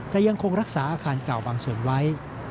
แต่ยังคงรักษาอาคารเก่าบางส่วนไว้